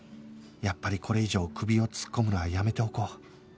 やっぱりこれ以上首を突っ込むのはやめておこう